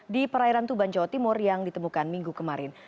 di perairan tuban jawa timur yang ditemukan minggu kemarin